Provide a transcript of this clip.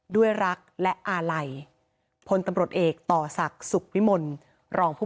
ด้วยรักและอาลัยพลตำรวจเอกต่อศักดิ์สุขวิมลรองผู้